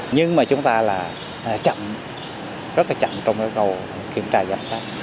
nhưng mà chúng ta là chậm rất là chậm trong yêu cầu kiểm tra và giám sát